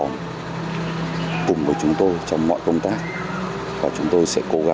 người hùng trong lòng nhân dân và đồng đội